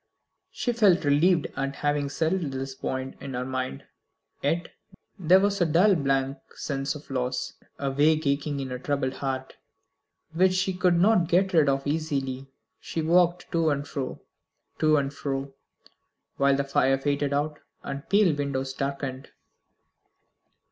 She felt relieved at having settled this point in her mind. Yet there was a dull blank sense of loss, a vague aching in her troubled heart, which she could not get rid of easily. She walked to and fro, to and fro, while the fire faded out and the pale windows darkened.